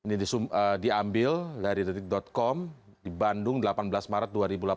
ini diambil dari detik com di bandung delapan belas maret dua ribu delapan belas